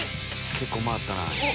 結構回ったな。